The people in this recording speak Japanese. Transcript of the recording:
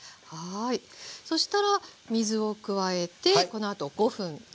そしたら水を加えてこのあと５分煮ていきますね。